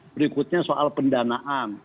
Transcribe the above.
berikutnya soal pendanaan